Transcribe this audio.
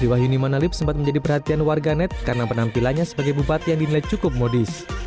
wahyuni manalip sempat menjadi perhatian warga net karena penampilannya sebagai bupati yang dinilai cukup modis